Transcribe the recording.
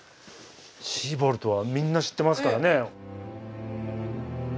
シーボルトはみんな知ってますからね。